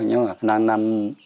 nhưng mà năm